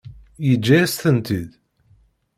Yeǧǧa-yas-tent-id?